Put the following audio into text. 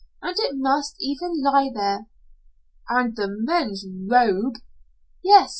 It must even lie there." "And the men 'rouge' " "Yes.